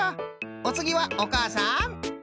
おつぎはおかあさん。